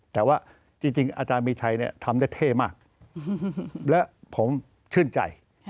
แต่ว่าจริงอาจารย์มีชัยทำได้เท่มากและผมชื่นใจ